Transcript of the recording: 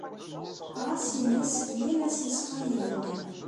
Ɣas in-as yal ass yeṣfa yigenni.